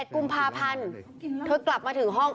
๑กุมภาพันธ์เธอกลับมาถึงห้อง